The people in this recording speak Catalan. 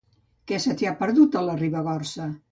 Què se t'hi ha perdut, a la Ribagorça?